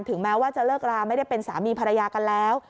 แม้ว่าจะเลิกราไม่ได้เป็นสามีภรรยากันแล้ว